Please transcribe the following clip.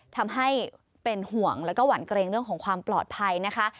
ทำให้เป็นห่วงแล้วก็หวั่นเกรงเรื่องของความปลอดภัยนะคะ